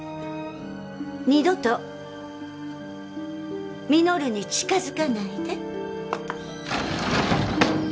二度と稔に近づかないで。